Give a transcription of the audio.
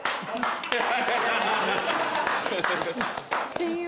親友？